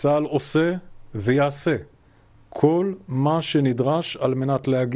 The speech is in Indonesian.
segala galanya yang diperlukan untuk melindungi